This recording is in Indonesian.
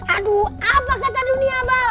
aduh apa kata dunia ma